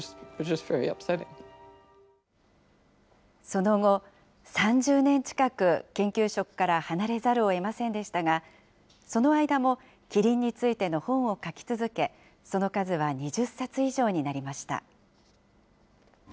その後、３０年近く研究職から離れざるをえませんでしたが、その間もキリンについての本を書き続け、その数は２０冊以上になりました。